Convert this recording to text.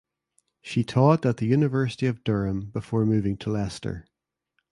She taught at the University of Durham before moving to Leicester.